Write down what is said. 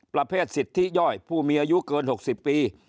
ประเภทสิทธิย่อยผู้มีอายุเกิน๖๐ปี